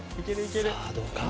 さあどうか？